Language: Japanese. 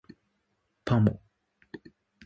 パモ